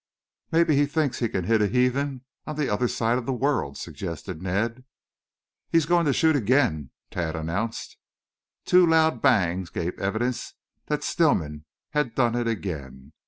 "Maybe he thinks he can hit a heathen on the other side of the world," suggested Ned. "He's going to shoot again," Tad announced. Two loud bangs gave evidence that Stillman had done it again.